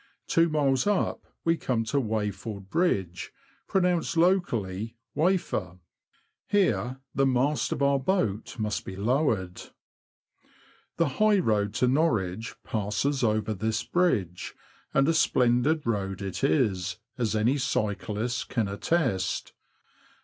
Two miles up we come to Wayford Bridge, pronounced locally ''Wafer;" here the mast of our boat must be lowered. N 178 THE LAND OF THE BROADS. The high road to Norwich passes over this bridge, and a splendid road it is, as any cyclist can attest.